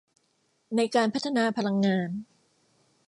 ในการพัฒนาพลังงาน